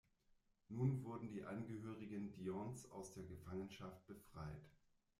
Nun wurden die Angehörigen Dions aus der Gefangenschaft befreit.